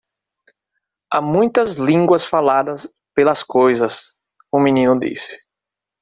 "Há muitas línguas faladas pelas coisas?" o menino disse.